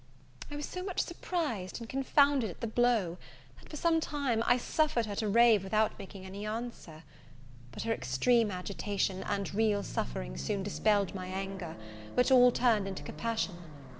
I was so much surprised and confounded at the blow, that, for some time, I suffered her to rave without making any answer; but her extreme agitation, and real suffering, soon dispelled my anger, which all turned into compassion.